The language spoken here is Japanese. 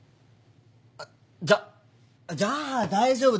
あっじゃじゃあ大丈夫だよ。